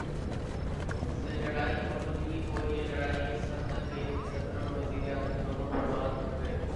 سے لڑائی مول لی اور یہ لڑائی اس حد تک گئی کہ صدر اور وزیر اعظم دونوں برباد ہوئے۔